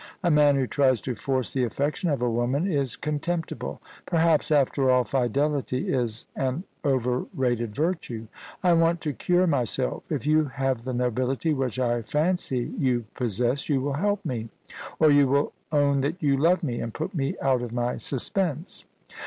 A man who tries to force the affection of a woman is contemptible. Perhaps, after all, fidelity is an over rated virtue. I want to cure myself. If you have the nobility which I fancy you possess, you will help me — or you will own that you love me, and put me out of my suspense.